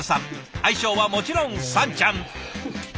愛称はもちろんさんちゃん。